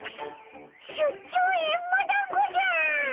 出張エンマだんごじゃ！